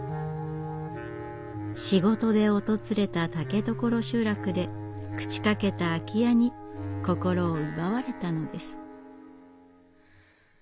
仕事で訪れた竹所集落で朽ちかけた空き家に心を奪われたのです。